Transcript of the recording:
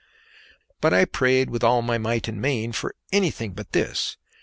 But I prayed with all my might and main for anything but this.